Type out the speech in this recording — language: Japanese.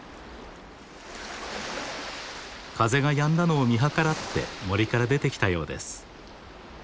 風がやんだのを見計らって森から出てきたようです。